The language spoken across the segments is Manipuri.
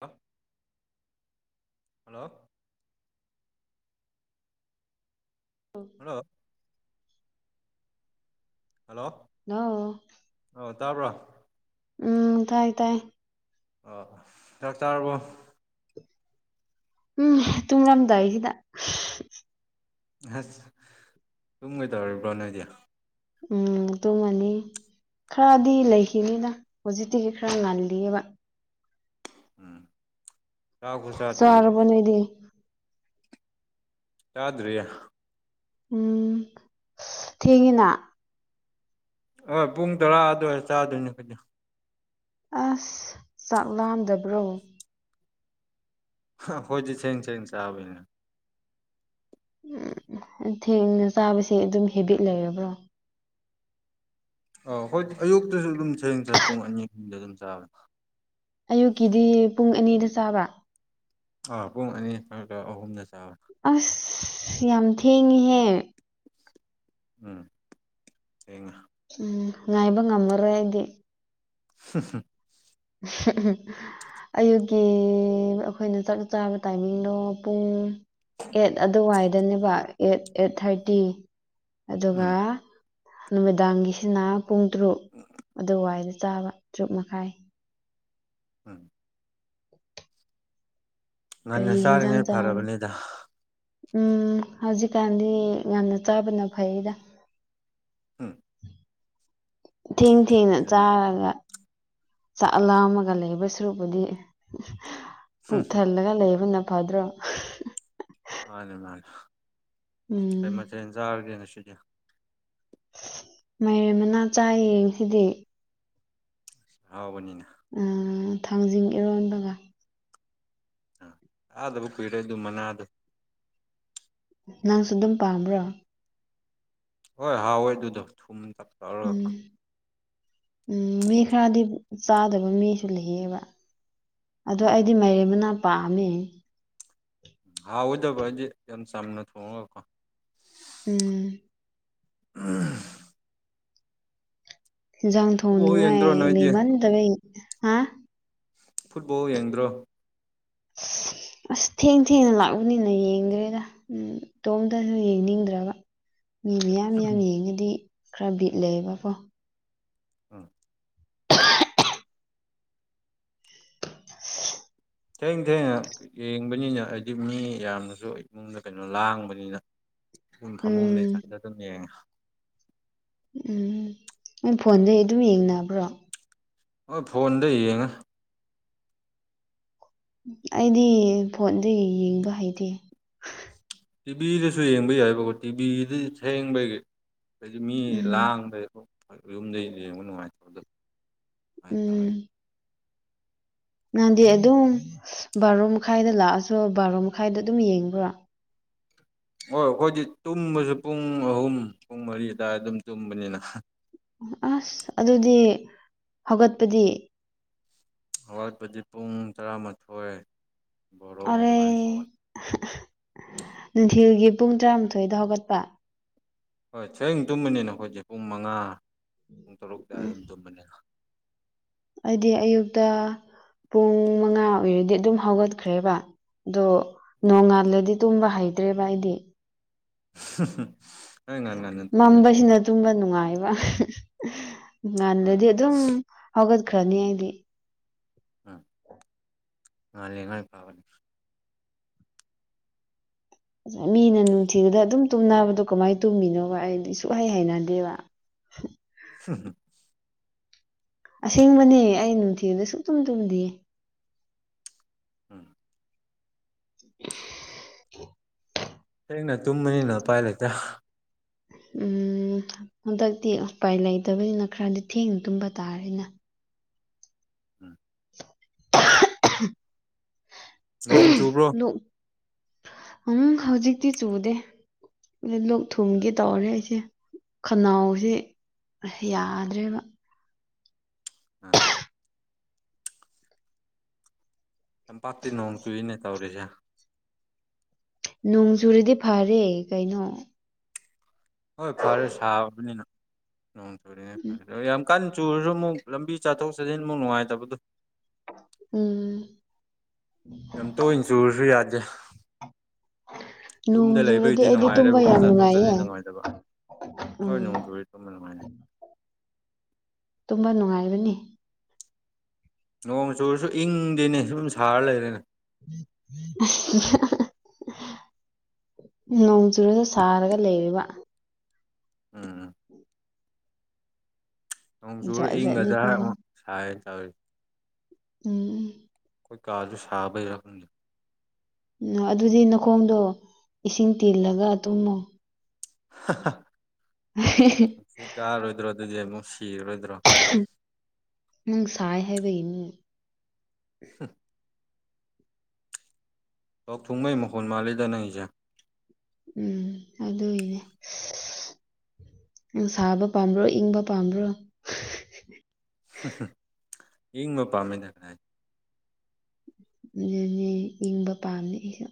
ꯂ ꯍꯜꯂꯣ ꯍꯜꯂꯣ ꯍꯜꯂꯣ ꯍ ꯍ ꯇꯥꯕ꯭ꯔꯣ ꯎꯝ ꯇꯥꯏ ꯇꯥꯏ ꯑ ꯆꯥꯛ ꯆꯥꯔꯕꯣ ꯎꯝ ꯇꯨꯡꯅ ꯑꯃꯗꯏꯈꯤꯗ ꯑꯁ ꯇꯨꯝ ꯀꯩ ꯇꯧꯔꯤꯕ꯭ꯔꯣ ꯅꯣꯏꯗꯤ ꯎꯝ ꯇꯨꯃꯅꯤ ꯈꯔꯗꯤ ꯂꯩꯈꯤꯅꯤꯅ ꯍꯧꯖꯤꯛꯇꯤꯒꯤ ꯈꯔ ꯉꯜꯂꯤꯑꯕ ꯎꯝ ꯆꯥꯛꯄꯨ ꯆꯥꯗ꯭ꯔꯤ ꯁꯣꯔ ꯑꯩꯈꯣꯏꯗꯤ ꯅꯗ ꯌꯥ꯭ꯔꯔꯤ ꯎꯝ ꯊꯦꯡꯉꯅ ꯍꯣꯏ ꯄꯨꯡ ꯇꯔꯥ ꯑꯗꯨꯋꯥꯏꯔ ꯆꯥꯗꯣꯏꯅꯦ ꯑꯩꯣꯏꯩꯅ ꯑꯁ ꯆꯥꯛꯂꯝꯥꯝꯗꯕ꯭ꯔꯣ ꯍꯣꯏꯗꯨꯁꯟꯁꯕꯅ ꯎꯝ ꯊꯦꯡꯅ ꯆꯥꯕꯁꯦ ꯑꯗꯨꯝ ꯍꯦꯕꯤꯠ ꯂꯩꯔꯕ꯭ꯔꯣ ꯑ ꯍꯣꯏ ꯑꯌꯨꯛꯇꯁꯨ ꯑꯗꯨꯝ ꯁꯦꯡꯁꯔ ꯄꯨꯡ ꯑꯅꯤ ꯑꯍꯨꯝꯗ ꯑꯗꯨꯝ ꯆꯥꯕꯅꯤ ꯑꯌꯨꯛꯀꯤꯗꯤ ꯄꯨꯡ ꯑꯅꯤꯗ ꯆꯥꯕ ꯑꯥ ꯄꯨꯡ ꯑꯅꯤ ꯐ ꯑꯍꯨꯝꯅ ꯑꯁ ꯌꯥꯝ ꯊꯦꯡꯉꯍꯦ ꯎꯝ ꯊꯦꯡꯉ ꯎꯝ ꯉꯥꯏꯕ ꯉꯃꯔꯗꯤꯦ ꯍꯝ ꯍꯝ [unintelligible] ꯑꯌꯨꯛꯀꯤ ꯑꯩꯈꯣꯏꯅ ꯆꯠ ꯆꯥꯕ ꯇꯥꯏꯃꯤꯡꯗꯣ ꯄꯨꯡ ꯑꯦꯠ ꯑꯗꯨꯋꯥꯏꯗꯅꯦꯕ ꯑꯦꯠ ꯑꯦꯠ ꯊꯥꯔꯇꯤ ꯑꯗꯨꯒ ꯎꯝ ꯅꯨꯃꯤꯗꯥꯡꯒꯤꯁꯤꯅ ꯄꯨꯡ ꯇꯔꯨꯛ ꯑꯗꯨꯋꯥꯏꯗ ꯆꯥꯕ ꯆ꯭ꯔꯨꯞ ꯃꯈꯥꯏ ꯎꯝ ꯉꯟꯅ ꯀꯔꯤ ꯏꯟꯖꯝ ꯆꯥꯔꯤꯉꯩ ꯆꯥ ꯐꯔꯕꯅꯤꯗ ꯎꯝ ꯍꯧꯖꯤꯛꯀꯥꯟꯗꯤ ꯌꯥꯝꯅ ꯆꯥꯕꯅ ꯐꯩꯗ ꯎꯝ ꯊꯦꯡ ꯊꯦꯡꯅ ꯑꯗꯨꯅ ꯆꯥꯔꯒ ꯆꯥꯛ ꯂꯥꯝꯃꯒ ꯂꯩꯕ ꯁꯔꯨꯄꯨꯗꯤ ꯄꯨꯛ ꯎꯝ ꯊꯜꯂꯒ ꯂꯩꯕꯅ ꯐꯗ꯭ꯔꯣ ꯃꯥꯅꯤ ꯃꯥꯅꯤ ꯀ ꯎꯝ ꯃꯊꯦꯜ ꯆꯥꯔꯒꯦ ꯉꯁꯤꯗꯤ ꯃꯔꯦꯝ ꯃꯅꯥ ꯆꯥꯏꯌꯦ ꯁꯤꯗꯤ ꯍꯥꯎꯕꯅꯤꯅꯦ ꯊꯥꯡꯖꯤꯡ ꯏꯔꯣꯟꯕꯒ ꯑ ꯑꯗꯕꯨ ꯀꯤꯔ ꯑꯗꯨꯗꯨꯃꯅꯥ ꯑꯗꯨ ꯅꯪꯁꯨ ꯑꯗꯨꯝ ꯄꯥꯝꯕ꯭ꯔꯣ ꯍꯣꯏ ꯍꯥꯎꯋꯦ ꯑꯗꯨꯗꯣ ꯊꯨꯝ ꯇꯥꯛ ꯇꯛꯑꯔꯣꯏꯀꯣ ꯎꯝ ꯎꯝ ꯃꯤ ꯈꯔꯗꯤ ꯆꯥꯗꯕ ꯃꯤꯁꯨ ꯂꯩꯌꯦꯕ ꯑꯗꯣ ꯎꯝ ꯑꯩꯗꯤ ꯃꯥꯏꯔꯦꯝꯕꯅ ꯄꯥꯝꯃꯦ ꯍꯥꯎꯑꯣꯣꯏꯗꯕ ꯍꯥꯏꯗꯤ ꯌꯥꯝ ꯆꯥꯝꯅ ꯊꯣꯡꯉꯒꯀꯣ ꯎꯝ ꯎꯝ ꯖꯥꯡ ꯐꯨꯠꯕꯣꯜ ꯊꯣꯡꯅꯤꯡꯉꯥꯏ ꯌꯦꯡꯗ꯭ꯔꯣ ꯅꯣꯏꯗꯤ ꯂꯩꯕ ꯇꯋ ꯍꯥ ꯐꯨꯠꯕꯣꯜ ꯌꯦꯡꯗ꯭ꯔꯣ ꯑꯁ ꯊꯦꯡ ꯊꯦꯡꯅ ꯂꯥꯛꯎꯅꯤꯅ ꯌꯦꯡꯗ꯭ꯔꯦꯗ ꯏꯇꯣꯝꯇꯁꯨ ꯌꯦꯡꯅꯤꯡꯗ꯭ꯔꯒ [unintelligible] ꯃꯤ ꯃꯤꯌꯥꯝ ꯌꯥꯝ ꯌꯦꯉꯒꯗꯤ ꯈꯔ ꯕꯤꯠ ꯂꯩꯌꯦꯕꯀꯣ ꯎꯝ ꯊꯦꯡ ꯊꯦꯡꯅ ꯌꯦꯡꯕꯅꯤꯅ ꯍꯥꯏꯗꯤ ꯃꯤ ꯌꯥꯝꯅꯁꯨ ꯏꯃꯨꯡꯗ ꯀꯩꯅꯣ ꯂꯥꯡꯕꯅꯤꯅ ꯎ ꯐꯃꯨꯡ ꯎꯝ ꯂꯩꯀꯥꯟꯗ ꯑꯗꯨꯝ ꯌꯦꯡꯉ ꯎꯝ ꯅ ꯐꯣꯟꯗ ꯑꯗꯨꯝ ꯌꯦꯡꯅꯕ꯭ꯔꯣ ꯍꯣꯏ ꯐꯣꯟꯗ ꯌꯦꯡꯉ ꯑꯩꯗꯤ ꯐꯣꯟꯗꯤ ꯌꯦꯡꯕ ꯍꯩꯇꯦ ꯇꯤꯚꯤꯗꯁꯨ ꯌꯦꯡꯕ ꯌꯥꯏꯕꯀꯣ ꯇꯤꯚꯤꯗ ꯁꯌꯦꯦꯡꯕꯩꯒꯤ ꯍꯥꯏꯗꯤ ꯃꯤ ꯎꯝ ꯂꯥꯡꯗ ꯌꯨꯝꯗꯩ ꯌꯦꯡꯕ ꯅꯨꯡꯉꯥꯏꯇꯕꯗꯣ ꯑꯗꯨꯃꯥꯏꯅ ꯇꯧꯋꯦ ꯎꯝ ꯅꯍꯥꯟꯗꯤ ꯑꯗꯨꯝ ꯕꯥꯔꯣ ꯃꯈꯥꯏꯗ ꯂꯥꯛꯑꯁꯨ ꯕꯥꯔꯣ ꯃꯈꯥꯏꯗ ꯑꯗꯨꯝ ꯌꯦꯡꯕ꯭ꯔꯥ ꯑꯣ ꯑꯩꯈꯣꯏꯗꯤ ꯇꯨꯝꯕꯁꯨ ꯄꯨꯡ ꯑꯍꯨꯝ ꯄꯨꯡ ꯃꯔꯤ ꯑꯗꯨꯋꯥꯏ ꯑꯗꯨꯝ ꯇꯨꯝꯕꯅꯤꯅ ꯑꯁ ꯑꯗꯨꯗꯤ ꯍꯧꯒꯠꯄꯗꯤ ꯑꯋꯥꯠꯄꯗꯤ ꯄꯨꯡ ꯇꯔꯥꯃꯥꯊꯣꯏ ꯕꯣꯔꯣ ꯑꯔ ꯑꯗꯨꯃꯥꯏꯅ ꯍꯧꯒꯠꯂꯦ ꯔꯒꯤ ꯄꯨꯡ ꯇꯔꯥꯃꯥꯊꯣꯏꯗ ꯍꯧꯒꯠꯄ ꯍꯣꯏ ꯁꯌꯦꯡ ꯇꯨꯝꯕꯅꯤꯅ ꯑꯩꯈꯣꯏꯁꯦ ꯄꯨꯡ ꯃꯉꯥ ꯄꯨꯡ ꯇꯔꯨꯛ ꯎꯝ ꯑꯗꯨꯝ ꯇꯨꯝꯕꯅꯤꯅ ꯑꯩꯗꯤ ꯑꯌꯨꯛꯇ ꯄꯨꯡ ꯃꯉꯥ ꯑꯣꯏꯔꯗꯤ ꯑꯗꯨꯝ ꯍꯧꯒꯠꯈ꯭ꯔꯦꯕ ꯑꯗꯣ ꯅꯣꯡꯉꯥꯜꯂꯗꯤ ꯇꯨꯝꯕ ꯍꯩꯇ꯭ꯔꯦ ꯚꯏꯗꯤ [unintelligible] ꯇꯨꯝꯕꯩꯅꯤ ꯃꯝꯕꯁꯤꯅ ꯑꯗꯨꯕ ꯅꯨꯡꯉꯥꯏꯕ ꯎꯝ ꯉꯥꯟꯜꯗꯗꯤ ꯑꯗꯨꯝ ꯍꯧꯒꯠꯈ꯭ꯔꯅꯤ ꯑꯩꯗꯤ ꯎꯝ ꯃꯥ ꯂꯩꯉꯅꯤ ꯀꯕꯅꯤꯦ ꯃꯤꯅ ꯅꯨꯡꯊꯤꯕꯗ ꯑꯗꯨꯝ ꯇꯨꯝꯅꯕꯗꯣ ꯀꯃꯥꯏꯅ ꯇꯨꯝꯃꯤꯅꯣꯕ ꯑꯩꯗꯤ ꯁꯁꯨꯨꯡꯍꯩ ꯍꯥꯏꯅꯗꯦꯕ ꯍꯝ ꯑꯁꯦꯡꯕꯅꯦ ꯑꯩ ꯅꯨꯡꯊꯤꯕꯗ ꯁꯨꯡꯆꯨꯝ ꯇꯨꯝꯗꯦ ꯎꯝ [unintelligible] [unintelligible] ꯍꯦꯡꯅ ꯇꯨꯝꯕꯅꯤꯅ ꯎꯄꯥꯏ ꯂꯩꯇ꯭ꯔꯥ ꯎꯝ ꯍꯟꯗꯛꯇꯤ ꯎꯄꯥꯏ ꯂꯩꯇꯕꯅꯤꯅ ꯈꯔꯗꯤ ꯊꯦꯡꯅ ꯇꯨꯝꯕ ꯇꯥꯔꯦꯅꯦ ꯎꯝ [unintelligible] ꯅꯣꯡ ꯆꯨꯕ꯭ꯔꯣ ꯎ ꯍꯧꯖꯤꯛꯇꯤ ꯆꯨꯗꯦ ꯂꯣꯛ ꯎꯝ ꯊꯨꯝꯒꯦ ꯇꯧꯔꯦ ꯑꯩꯁꯦ ꯈꯅꯥꯎꯁꯦ ꯌꯥꯗ꯭ꯔꯦꯕ ꯎꯝ ꯌꯥꯝ ꯄꯥꯛꯤ ꯅꯣꯡ ꯆꯨꯏꯅꯦ ꯇꯧꯔꯤꯁꯦ ꯅꯣꯡ ꯆꯨꯨꯔꯗꯤ ꯐꯔꯦ ꯀꯩꯅꯣ ꯍꯣꯏ ꯐꯔꯦ ꯁꯥꯕꯅꯤꯅ ꯅꯣꯡ ꯆꯨꯔꯤꯉꯩ ꯐꯦ ꯌꯥꯝ ꯀ ꯆꯨꯔꯁꯨ ꯑꯃꯨꯛ ꯂꯝꯕꯤ ꯆꯠꯊꯣꯛ ꯆꯠꯁꯤꯟ ꯑꯃꯨꯛ ꯅꯨꯡꯉꯥꯏꯇꯕꯗꯣ ꯎꯝ ꯑꯝꯇ ꯑꯣꯏꯅ ꯆꯨꯔꯁꯨ ꯌꯥꯗꯁꯦ ꯅꯣꯡ ꯌꯨꯝꯗ ꯆꯨꯔꯗꯤ ꯂꯩꯕꯒꯤꯗꯤ ꯑꯩꯗꯤ ꯇꯨꯝꯕ ꯅꯨꯡꯉꯥꯏꯔꯦꯕꯀꯣ ꯌꯥꯝ ꯆꯠꯊꯣꯛ ꯅꯨꯡꯉꯥꯏꯌꯦ ꯆꯠꯁꯤꯟ ꯅꯨꯡꯉꯥꯏꯇꯕ ꯎꯝ ꯍꯣꯏ ꯅꯣꯡꯖ ꯇꯃꯦ ꯅꯨꯡꯉꯥꯏꯅꯦ ꯇꯨꯝꯕ ꯅꯨꯡꯉꯥꯏꯕꯅꯤ ꯅꯣꯡ ꯆꯨꯔꯁꯨ ꯏꯪꯗꯦꯅꯦ ꯁꯨꯝ ꯁꯥꯔ ꯂꯩꯔꯦꯅꯦ [unintelligible] ꯅꯣꯡ ꯆꯨꯨꯔꯗ ꯁꯥꯔꯒ ꯂꯩꯕ ꯎꯝ ꯅꯣꯡꯆꯨꯔ ꯖꯥꯠ ꯏꯪꯒꯗ꯭ꯔꯥ ꯖꯥꯠꯅꯤꯀꯣ ꯎꯝ ꯑꯃꯨꯛ ꯁꯥꯏꯅ ꯇꯧꯤ ꯎꯝ ꯑꯩꯈꯣꯏ ꯀꯥꯁꯨ ꯁꯥꯕꯒꯤꯔ ꯈꯪꯗꯦ ꯎ ꯑꯗꯨꯗꯤ ꯅꯈꯣꯡꯗꯣ ꯏꯁꯤꯡ ꯇꯤꯜꯂꯒ ꯇꯨꯝꯃꯣ ꯁꯤ ꯀꯥꯔꯣꯏꯗ꯭ꯔꯣ ꯑꯗꯨꯗꯤ ꯑꯃꯨꯛ ꯁꯤꯔꯔꯣꯏꯗ꯭ꯔꯣ ꯅꯪ ꯁꯥꯏ ꯍꯥꯏꯕ ꯏꯅꯤ ꯁ ꯂꯣꯛ ꯊꯨꯡꯕꯩ ꯃꯈꯣꯟ ꯃꯥꯜꯂꯤꯗ ꯅꯪꯖꯦ ꯎꯝ ꯑꯗꯨꯗ ꯏꯅꯦ ꯎ ꯁꯥꯕ ꯄꯥꯝꯕ꯭ꯔꯣ ꯏꯪꯕ ꯄꯥꯝꯕ꯭ꯔꯣ ꯏ ꯃ ꯄꯝꯃꯦꯗ ꯑꯗꯨꯅꯦ ꯏꯪꯕ ꯄꯥꯝꯃꯦ ꯑꯩꯁꯨ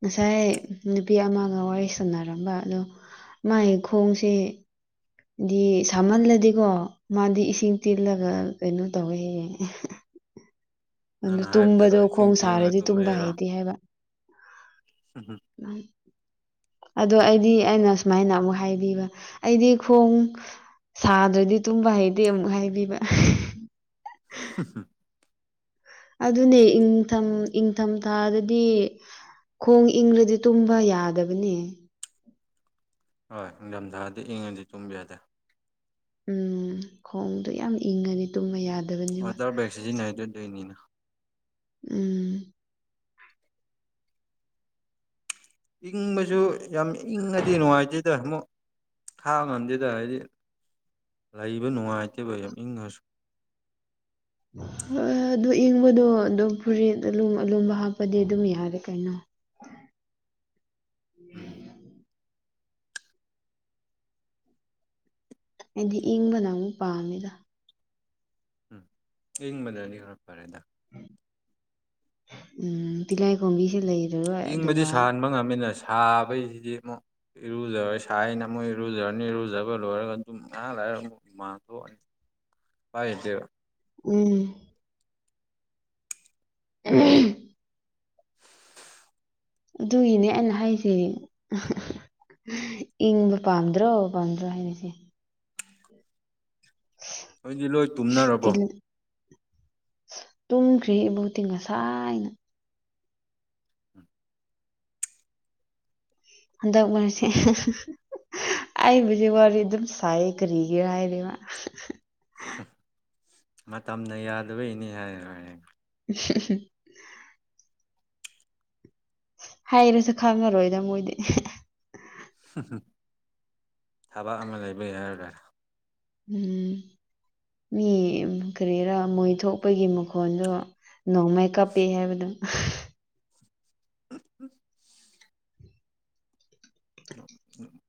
ꯉꯁꯥꯏ ꯅꯨꯄꯤ ꯑꯃꯒ ꯋꯥꯔꯤ ꯁꯥꯟꯅꯔꯝꯕ ꯑꯗꯣ ꯃꯥꯏ ꯈꯣꯡꯁꯦ ꯍꯥꯏꯗꯤ ꯁꯥꯍꯜꯂꯗꯤꯀꯣ ꯃꯥꯗꯤ ꯏꯁꯤꯡ ꯇꯦꯜꯂꯒ ꯀꯩꯅꯣ ꯇꯧꯋꯦ [unintelligible] ꯑꯗꯨ ꯅꯪꯅ ꯍꯥꯏꯕꯗꯨꯔꯣ ꯇꯨꯝꯕꯗꯣ ꯏꯆꯤꯡ ꯈꯣꯡ ꯆꯤꯡꯉꯒ ꯁꯥꯔꯗꯤ ꯇꯨꯝꯃꯦ ꯇꯨꯝꯕ ꯍꯥꯏꯔꯣ ꯍꯩꯇꯦ ꯍꯥꯏꯕ ꯎꯝ ꯑꯗꯣ ꯑꯩꯗꯤ ꯑꯩꯅ ꯁꯨꯃꯥꯏꯅ ꯑꯃꯨꯛ ꯍꯥꯏꯕꯤꯕ ꯑꯩꯗꯤ ꯈꯣꯡ ꯁꯥꯗ꯭ꯔꯗꯤ ꯇꯨꯝꯕ ꯍꯩꯗꯤꯦ ꯑꯃꯨꯛ ꯍꯥꯏꯕꯤꯕ [unintelligible] ꯑꯗꯨꯅꯦ ꯏꯪꯊꯝ ꯏꯪꯊꯝꯊꯥꯗꯗꯤ ꯈꯣꯡ ꯏꯪꯪꯂꯗꯤ ꯇꯨꯝꯕ ꯌꯥꯗꯕꯅꯦ ꯍꯣꯏ ꯅꯤꯡꯊꯝꯊꯥꯗꯤ ꯏꯪꯉꯗꯤ ꯆꯨꯝꯕꯤ ꯌꯥꯗꯦ ꯎꯝ ꯈꯣꯡꯗꯣ ꯌꯥꯝ ꯏꯪꯉꯅꯤ ꯇꯨꯝꯕ ꯌꯥꯗ ꯍꯖꯔ ꯄꯦꯛꯁꯤꯁꯤ ꯅꯗꯣꯏꯅꯤꯅ ꯎꯝ ꯏꯪꯕꯁꯨ ꯌꯥꯝ ꯏꯪꯉꯗꯤ ꯅꯨꯡꯉꯥꯏꯇꯦꯗ ꯑꯃꯨꯛ ꯍꯥꯎ ꯉꯥꯟꯗꯗ ꯍꯥꯏꯗꯤ ꯂꯩꯕ ꯅꯨꯡꯉꯥꯏꯇꯦꯕ ꯌꯥꯝ ꯏꯪꯉꯁꯨ ꯍꯣꯏ ꯑꯗꯨ ꯏꯪꯕꯗꯣ ꯑꯗꯨꯣ ꯐꯨꯔꯤꯠ ꯑꯨꯝ ꯑꯂꯨꯝꯕ ꯍꯥꯞꯄꯗꯤ ꯑꯗꯨꯝ ꯌꯥꯔꯦ ꯀꯩꯅꯣ ꯎꯝ ꯍꯥꯏꯗꯤ ꯏꯪꯕꯅ ꯑꯃꯨꯛ ꯄꯥꯝꯃꯦꯗ ꯎꯝ ꯍꯡ ꯃꯅꯅꯤ ꯑꯣꯏꯔꯛ ꯐꯔꯦꯗ ꯎꯝ ꯄꯤꯂꯥꯏ ꯀꯣꯡꯕꯤꯁꯦ ꯂꯩꯦ ꯏꯪꯕꯗꯤ ꯁꯥꯍꯟꯕ ꯉꯝꯃꯤꯟꯅꯁ ꯁꯥꯕꯩꯁꯤꯗꯤ ꯑꯃꯨꯛ ꯏꯔꯨꯖꯔꯣꯏ ꯁꯅ ꯃꯣꯏ ꯏꯔꯨꯖꯔꯅꯤ ꯏꯔꯨꯖꯕ ꯂꯣꯏꯔꯒ ꯑꯗꯨꯝ ꯉꯥꯏꯍꯥꯛ ꯃꯥ ꯄꯥꯏꯗꯦ ꯎꯝ ꯎ ꯑꯗꯨꯒꯤꯅꯦ ꯑꯩꯅ ꯍꯥꯏꯁꯦ ꯎꯝ ꯏꯪꯕ ꯄꯥꯝꯗ꯭ꯔꯣ ꯄꯟꯗ꯭ꯔꯣ ꯍꯥꯏꯅꯁꯤꯦ ꯑꯩꯗꯤ ꯂꯣꯏ ꯇꯨꯝꯅꯔꯕꯣ ꯇꯨꯝꯈ꯭ꯔꯤ ꯏꯕꯨꯗꯤꯤ ꯉꯁꯥꯏꯅ ꯎꯝ ꯑꯟꯗ ꯃꯁꯤꯦ ꯑꯩꯕꯨꯖꯤ ꯋꯥꯔꯤ ꯑꯗꯨꯝ ꯁꯥꯏ ꯀꯔꯤꯒꯦ ꯍꯥꯏꯔꯤꯕꯃ ꯃꯇꯝꯅ ꯌꯥꯗꯕꯩꯅꯤ ꯍꯥꯏꯌ ꯍꯥꯏꯌꯦ [unintelligible] ꯍꯥꯏꯔꯁꯨ ꯈꯪꯉꯔꯣꯏꯗ ꯃꯣꯏꯗꯤ ꯎ ꯊꯕꯛ ꯑꯃ ꯂꯩꯕ ꯌꯥ ꯍꯥꯏꯔ ꯇꯥꯔꯦ ꯎꯝ ꯃꯤ ꯀꯔꯤꯔꯥ ꯃꯣꯏ ꯊꯣꯛꯄꯒꯤ ꯃꯈꯣꯟꯗꯣ ꯅꯣꯡꯃꯥꯏ ꯀ ꯄꯤ ꯍꯥꯏꯦꯕꯗꯨ ꯎꯝ ꯎꯝ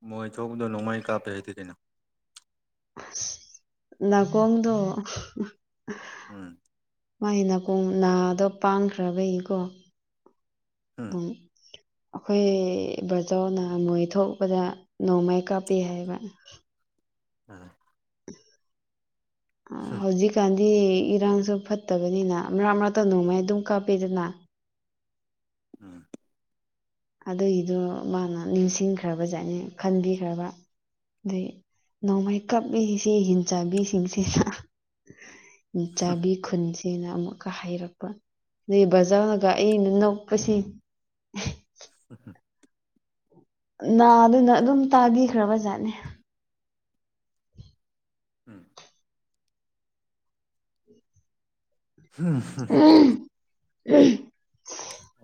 ꯃꯣꯏ ꯊꯣꯛꯄꯗꯣ ꯅꯣꯡꯃꯥꯏ ꯀꯥꯞꯇꯦ ꯍꯥꯏꯗꯤꯦ ꯀꯩꯅꯣ ꯅꯥꯒꯣꯡꯗ ꯎꯝ ꯃꯥꯒꯤ ꯅꯥꯀꯣꯡ ꯅꯥꯗꯣ ꯄꯥꯡꯈ꯭ꯔꯕ ꯏꯀꯣ ꯍꯨꯝ ꯑꯗꯨꯝ ꯑꯩꯈꯣꯏ ꯕꯖꯥꯎꯅ ꯃꯣꯏ ꯊꯣꯛꯄꯗ ꯅꯣꯡꯃꯥꯏ ꯀꯥꯞꯄꯤ ꯍꯥꯏꯕ ꯃꯥꯅꯦ ꯑ ꯍꯧꯖꯤꯛꯀꯥꯟ ꯗꯤ ꯏꯔꯥꯡꯁꯨ ꯐꯠꯇꯕꯅꯤꯅ ꯃꯔꯛ ꯃꯔꯥꯛꯇ ꯅꯣꯡꯃꯥꯏ ꯑꯗꯨꯝ ꯀꯥꯞꯄꯦꯗꯅ ꯎꯝ ꯑꯗꯨꯒꯤꯗꯨ ꯃꯥꯅ ꯅꯤꯡꯁꯤꯡꯈ꯭ꯔꯕꯖꯥꯠꯅꯤ ꯈꯟꯕꯤꯈ꯭ꯔꯕ ꯑꯗꯨꯢ ꯅꯣꯡꯃꯥꯏ ꯀꯥꯞꯕꯤ ꯁꯤ ꯍꯤꯡꯆꯥꯕꯤꯁꯤꯡꯁꯤ ꯆꯥꯕꯤ ꯈꯨꯟꯁꯦ ꯁꯦꯅ ꯑꯃꯨꯛꯀ ꯍꯩꯔꯛꯄ ꯑꯗꯒꯤ ꯕꯖꯔꯅꯒ ꯑꯩꯅ ꯅꯣꯛꯄꯁꯤ ꯎꯝ ꯅꯥꯗꯨꯅ ꯑꯗꯨꯝ ꯇꯥꯕꯤꯈ꯭ꯔꯕꯖꯥꯠꯅꯦ ꯎꯝ ꯍꯨꯝ ꯍꯨꯝ [unintelligible]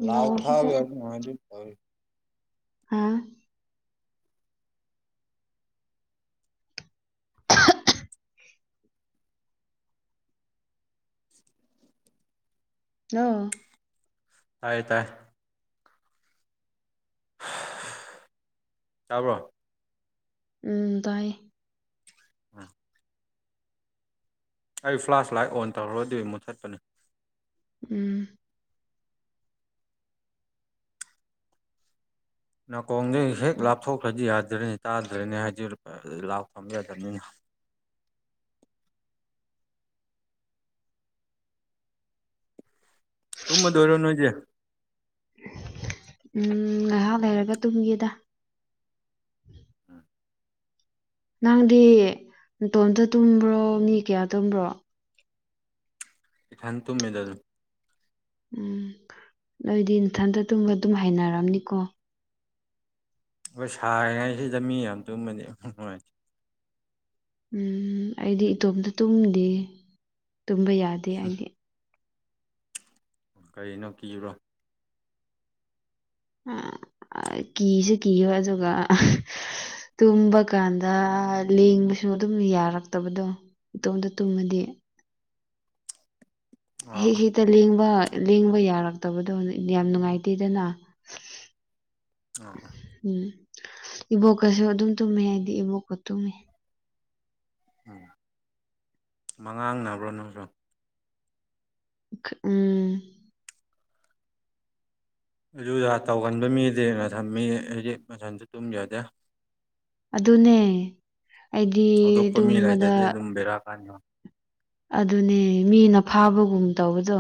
ꯂꯥꯎꯠ ꯅꯥꯎꯁꯤꯁꯨ ꯊꯕ ꯌꯥꯔꯗꯤ ꯅꯨꯡꯉꯥꯏꯗꯨ ꯍꯥꯥ [unintelligible] ꯍꯜꯂꯣ ꯇꯥꯏ ꯇꯥꯏ ꯇꯥꯕ꯭ꯔꯣ ꯎꯝ ꯇꯥꯏꯌꯦ [unintelligible] ꯑꯩ ꯐ꯭ꯂꯥꯁ ꯂꯥꯏꯠ ꯑꯣꯟ ꯇꯧꯔꯨꯔꯗꯤ ꯃꯨꯠꯊꯠꯄꯅꯤ ꯎꯝ ꯅꯥꯀꯣꯡꯗꯒꯤ ꯍꯦꯛ ꯂꯥꯞꯊꯣꯛꯈ꯭ꯔꯗꯤ ꯌꯥꯗ꯭ꯔꯅꯤ ꯇꯥꯗ꯭ꯔꯅꯤ ꯍꯥꯏꯖ ꯂꯥꯛꯐ ꯊꯝꯕ ꯌꯥꯗꯕꯅꯤꯅ [inaudible] ꯇꯨꯃꯗꯧꯔꯣ ꯅꯣꯏꯗꯤ ꯎꯝ ꯉꯥꯏꯍꯥꯛ ꯂꯩꯔꯒ ꯇꯨꯝꯒꯦꯗ ꯎꯝ ꯅꯪꯗꯤ ꯇꯣꯝꯇ ꯇꯨꯝꯕ꯭ꯔꯣ ꯃꯤ ꯀꯌꯥ ꯇꯨꯝꯕ꯭ꯔꯣ ꯏꯊꯟ ꯇꯨꯝꯃꯦꯗ ꯑꯗꯨꯝ ꯎꯝ ꯅꯣꯏꯗꯤ ꯏꯊꯟꯇ ꯇꯨꯡꯗ ꯑꯗꯨꯝ ꯍꯥꯏꯅꯔꯝꯅꯤꯀꯣ ꯑꯩꯈꯣꯏ ꯁꯔꯤꯉꯩꯁꯤꯗ ꯃꯤ ꯌꯥꯝ ꯇꯨꯝꯃꯅꯤ ꯅꯨꯡꯉꯥꯏꯇ ꯎꯝ ꯑꯩꯗꯤ ꯏꯇꯣꯝꯇ ꯇꯨꯝꯗꯦ ꯇꯨꯝꯕ ꯌꯥꯗꯦ ꯑꯩꯗꯤ ꯀꯅꯣ ꯀꯤꯕꯔꯣ ꯑꯝ ꯀꯤꯁꯨ ꯀꯤꯕ ꯑꯗꯨꯒ ꯇꯨꯝꯕ ꯀꯥꯟꯗ ꯂꯦꯡꯕꯁꯨ ꯑꯗꯨꯝ ꯌꯥꯔꯛꯇꯕꯗꯣ ꯏꯇꯣꯝꯇ ꯇꯨꯝꯃꯗꯤ ꯑꯥ ꯍꯦ ꯑꯥ ꯍꯤ ꯂꯦꯡꯕ ꯂꯦꯡꯕ ꯌꯥꯔꯛꯇꯕꯗꯣ ꯌꯥꯝ ꯅꯨꯡꯉꯥꯏꯇꯦꯗꯅ ꯑꯥ ꯎꯝ ꯏꯕꯣꯛꯀꯁꯨ ꯑꯗꯨꯝ ꯇꯨꯝꯃꯦ ꯍꯥꯏꯗꯤ ꯏꯕꯣꯛꯀ ꯇꯨꯝꯃꯤ ꯎꯝ ꯃꯉꯥꯡꯅꯕ꯭ꯔꯣ ꯅꯪꯁꯨ ꯎꯝ ꯑꯗꯨꯗ ꯇꯧꯒꯟꯕ ꯃꯤꯗꯤ ꯊꯝꯃꯤ ꯍꯥꯏꯗꯤ ꯃꯊꯟꯁꯨ ꯇꯨꯝꯖꯗꯦ ꯑꯗꯨꯅꯦ ꯑꯩꯗꯤ ꯍꯧꯗꯣꯛꯄ ꯃꯤ ꯇꯨꯝꯕꯗ ꯂꯩꯇꯗꯤ ꯑꯗꯨꯝ ꯕꯦꯔꯥ ꯀꯥꯟꯅꯤ ꯑꯗꯨꯅꯦ ꯃꯤꯅ ꯐꯥꯕꯒꯨꯝ ꯇꯧꯕꯗꯣ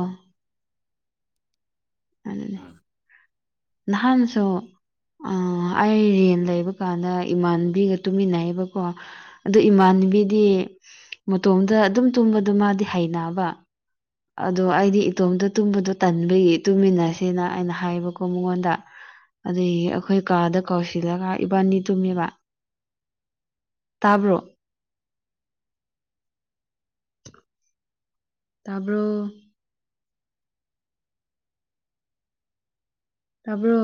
ꯑꯗꯨꯅꯦ ꯎꯝ ꯅꯍꯥꯟꯁꯨ ꯑ ꯑꯩ ꯔꯦꯟ ꯂꯩꯕ ꯀꯥꯟꯗ ꯏꯃꯥꯟꯕꯤꯒ ꯇꯨꯃꯤꯟꯅꯩꯑꯕꯀꯣ ꯑꯗꯨ ꯏꯥꯟ ꯟꯕꯤꯗꯤ ꯃꯇꯣꯝꯗ ꯑꯗꯨꯝ ꯇꯨꯝꯕꯗ ꯃꯥꯗꯤ ꯍꯩꯅꯕ ꯑꯗꯣ ꯑꯩꯗꯤ ꯏꯇꯣꯝꯇꯣ ꯇꯨꯝꯕꯗꯣ ꯇꯟꯕꯒꯤ ꯇꯨꯝꯃꯤꯟꯅꯁꯦꯅ ꯑꯩꯅ ꯍꯥꯏꯕꯀꯣ ꯃꯉꯣꯟꯗ ꯑꯗꯨꯗꯒꯤ ꯑꯩꯈꯣꯏ ꯀꯥꯗ ꯀꯧꯁꯤꯜꯂꯒ ꯏꯕꯥꯅꯤ ꯇꯨꯝꯃꯦꯕ ꯇꯥꯕ꯭ꯔꯣ ꯇꯔꯕꯣ ꯇꯥꯕ꯭ꯔꯣ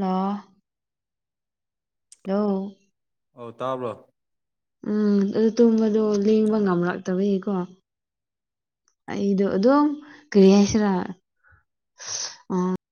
ꯂ ꯍ ꯑꯧ ꯇꯥꯕ꯭ꯔꯣ ꯎꯝ ꯑꯗꯨ ꯇꯨꯝꯕꯗꯣ ꯂꯦꯡꯕ ꯉꯝꯂꯛꯇꯕꯒꯤꯀꯣ ꯏꯗ ꯑ ꯑꯗꯨꯣ ꯀꯔꯤꯌꯥꯁꯔ ꯑ